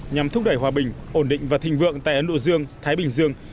nhằm thúc đẩy hòa bình ổn định và thịnh vượng tại ấn độ dương thái bình dương